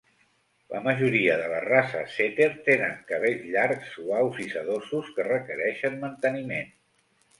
La majoria de les races setter tenen cabells llargs, suaus i sedosos que requereixen manteniment.